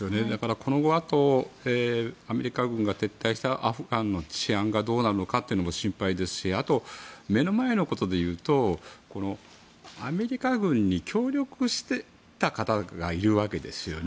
このあとアメリカ軍が撤退したアフガンの治安がどうなるのかも心配ですし目の前のことでいうとアメリカ軍に協力していた方がいるわけですよね。